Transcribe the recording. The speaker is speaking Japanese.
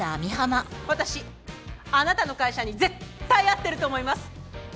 私あなたの会社に絶対合ってると思います！